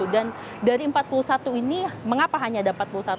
dan dari empat puluh satu ini mengapa hanya ada empat puluh satu